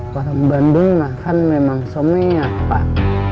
kalau bandung makan memang somenya pak